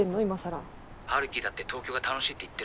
春樹だって東京が楽しいって言ってるし。